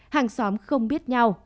hàng xóm không biết nhau